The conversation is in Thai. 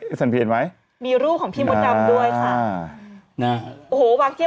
เอสันเพียสไหมมีรูปของพี่มดดำด้วยค่ะน่าโอ้โหวางเทียบ